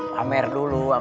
pamer dulu sama si ujang